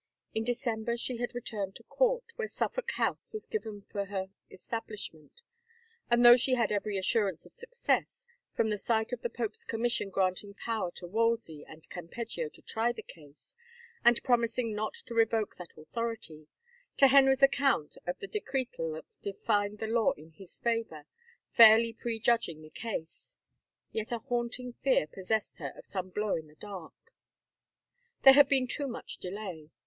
In December she had returned to court, where Suffolk House was given for her establishment, and though she had every assurance of success, from the sight of the pope's commission granting power to Wolsey and Cam peggio to try the case, and promising not to revoke that authority, to Henry's account of the decretal that defined the law in his favor, fairly prejudging the case, yet a haunting fear possessed her of some blow in the dark. There had been too much delay.